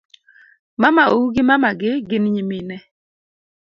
Mamau gi mamagi gin nyimine